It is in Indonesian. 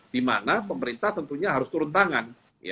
di mana pemerintah tentunya harus turun tangan